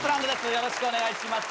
よろしくお願いします。